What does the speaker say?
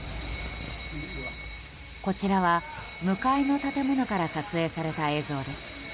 こちらは、向かいの建物から撮影された映像です。